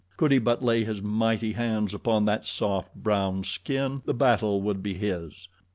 Could he but lay his mighty hands upon that soft, brown skin the battle would be his.